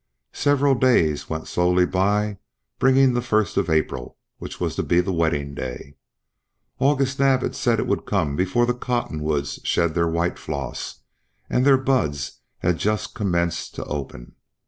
Several days went slowly by, bringing the first of April, which was to be the wedding day. August Naab had said it would come before the cottonwoods shed their white floss; and their buds had just commenced to open.